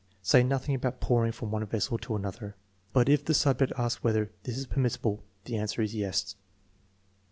Say nothing about pouring from one vessel to another, but if the subject asks whether this is permissible the answer is "yes."